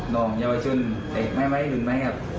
น้องยาวชไม่เรียกไหมครับ